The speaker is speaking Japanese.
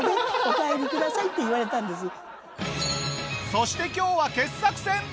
そして今日は傑作選。